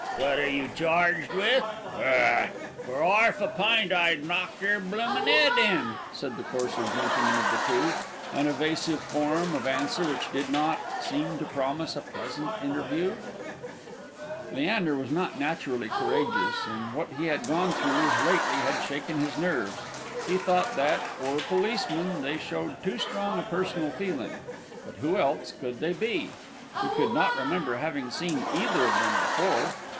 "What are you charged with? Grr ! For 'arf a pint I'd knock your bloomin 'ed in!" said the coarser gentleman of the two an evasive form of answer which did not seem to promise a pleasant interview. [Illustration: "FOR 'ARF A PINT I'D KNOCK YOUR BLOOMIN' 'ED IN!"] Leander was not naturally courageous, and what he had gone through lately had shaken his nerves. He thought that, for policemen, they showed too strong a personal feeling; but who else could they be? He could not remember having seen either of them before.